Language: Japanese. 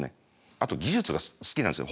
あと技術が好きなんですよ。